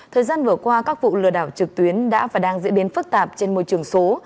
thời gian vừa qua các vụ lừa đảo trực tuyến đã và đang diễn biến phức tạp trên môi trường số